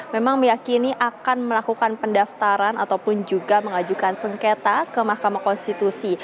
memang meyakini akan melakukan pendaftaran ataupun juga mengajukan sengketa ke mahkamah konstitusi